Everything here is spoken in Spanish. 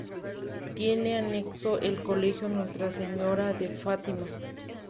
Tiene anexo el colegio Nuestra Señora de Fátima.